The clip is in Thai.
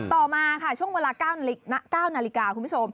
ต่อมาค่ะช่วงเวลา๙นาฬิกาคุณผู้ชม